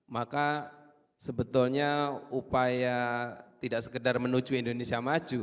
maka sebetulnya upaya tidak sekedar menuju indonesia maju